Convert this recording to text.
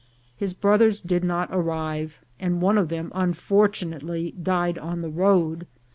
His brothers did not arrive, and one of them unfortunately died on the road.